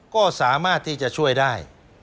ก็สามารถที่จะช่วยได้